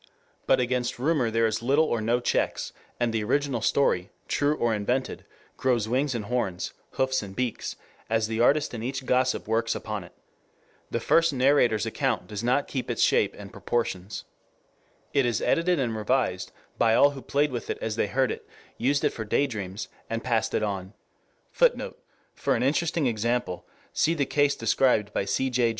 But against rumor there is little or no checks and the original story, true or invented, grows wings and horns, hoofs and beaks, as the artist in each gossip works upon it. The first narrator's account does not keep its shape and proportions. It is edited and revised by all who played with it as they heard it, used it for day dreams, and passed it on. [Footnote: For an interesting example, see the case described by C. J.